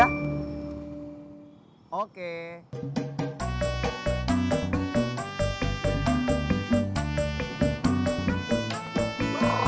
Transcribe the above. atau gimana kalau ibu masaknya